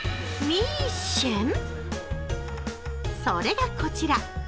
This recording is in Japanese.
それがこちら。